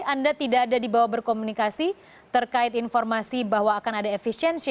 anda tidak ada di bawah berkomunikasi terkait informasi bahwa akan ada efisiensi